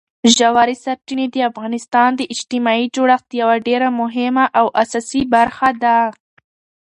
ژورې سرچینې د افغانستان د اجتماعي جوړښت یوه ډېره مهمه او اساسي برخه ده.